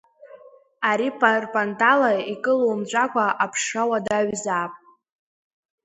Ари парпантала икылумҵәакәа аԥҽра уадаҩзаап.